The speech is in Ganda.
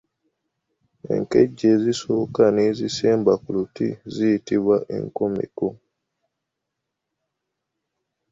Enkejje ezisooka n'ezisemba ku luti ziyitbwa enkomeko.